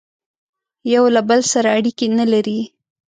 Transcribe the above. یوه له بل سره اړیکي نه لري